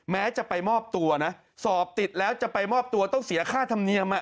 แม้จะไปมอบตัวนะสอบติดแล้วจะไปมอบตัวต้องเสียค่าธรรมเนียม